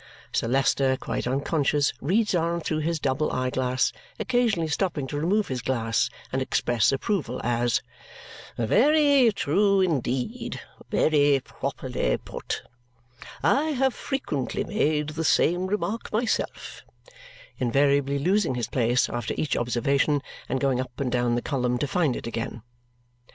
Sir Leicester, quite unconscious, reads on through his double eye glass, occasionally stopping to remove his glass and express approval, as "Very true indeed," "Very properly put," "I have frequently made the same remark myself," invariably losing his place after each observation, and going up and down the column to find it again.